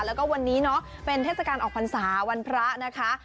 แล้วก็วันนี้เนาะเป็นเทศกาลออกพรรษาวันพระนะคะ